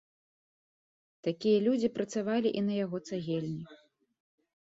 Такія людзі працавалі і на яго цагельні.